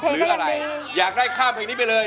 หรืออะไรอยากได้ข้ามเพลงนี้ไปเลย